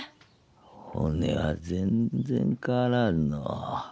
おねは全然変わらんのう。